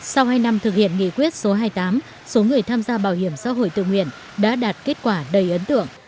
sau hai năm thực hiện nghị quyết số hai mươi tám số người tham gia bảo hiểm xã hội tự nguyện đã đạt kết quả đầy ấn tượng